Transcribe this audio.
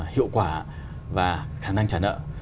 hiệu quả và khả năng trả nợ